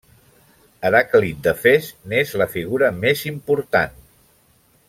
Heràclit d'Efes n'és la figura més important.